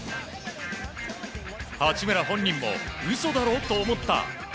八村本人も、嘘だろ？と思った。